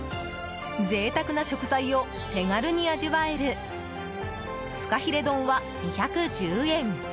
贅沢な食材を手軽に味わえるふかひれ丼は２１０円。